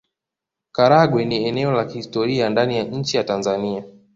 Karagwe ni eneo la kihistoria ndani ya nchi ya Tanzania